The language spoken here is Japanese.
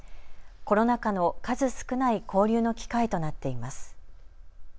コロナ禍の数少ない交流の機会となっています。